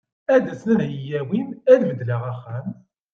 Ad d-asen ad yi-awin, ad beddleɣ axxam.